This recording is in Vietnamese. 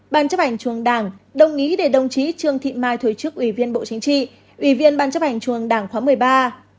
ban chấp ảnh trung an đảng đồng ý để đồng chí trương thị mai thuê trước ủy viên bộ chính trị ủy viên ban chấp ảnh trung an đảng khóa một mươi ba